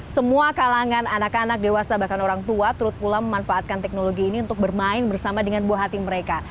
semua kalangan anak anak dewasa bahkan orang tua turut pula memanfaatkan teknologi ini untuk bermain bersama dengan buah hati mereka